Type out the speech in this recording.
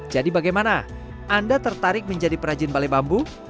jadi bagaimana anda tertarik menjadi perajin balai bambu